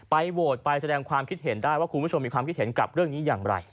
โหวตไปแสดงความคิดเห็นได้ว่าคุณผู้ชมมีความคิดเห็นกับเรื่องนี้อย่างไร